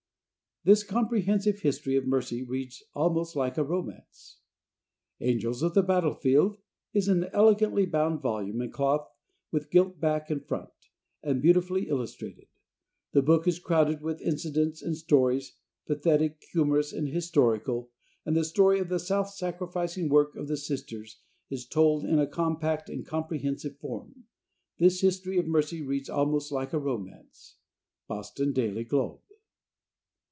"This Comprehensive History of Mercy Reads Almost Like a Romance." "Angels of the Battlefield" is an elegantly bound volume, in cloth, with gilt back and front, and beautifully illustrated. The book is crowded with incidents and stories, pathetic, humorous and historical, and the story of the self sacrificing work of the Sisters is told in a compact and comprehensive form. This history of mercy reads almost like a romance. Boston Daily Globe.